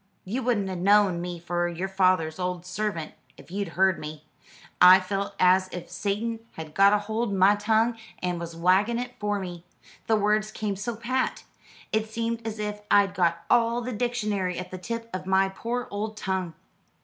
You wouldn't ha' knowed me for your feyther's old sarvant if you'd heard me. I felt as if Satan had got hold o' my tongue, and was wagging it for me. The words came so pat. It seemed as if I'd got all the dictionary at the tip of my poor old tongue."